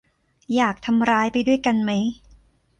อยากทำร้ายไปด้วยไหม